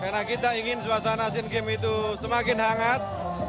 karena kita ingin suasana asian games itu semakin hangat